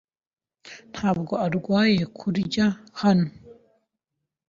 Ntabwo urwaye kurya hano?